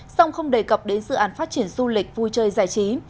song không đề cập đến dự án phát triển du lịch vui chơi giải trí